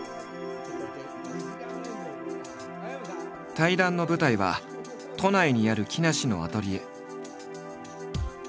対談の舞台は都内にある木梨のアトリエ。